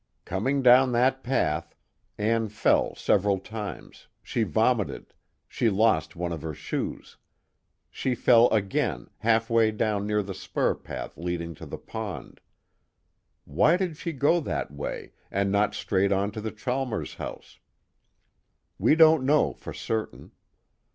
"Coming down that path, Ann fell several times, she vomited, she lost one of her shoes. She fell again, half way down the spur path leading to the pond. Why did she go that way, and not straight on to the Chalmers house? We don't know, for certain.